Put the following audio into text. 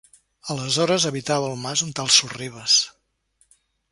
Aleshores habitava el mas un tal Sorribes.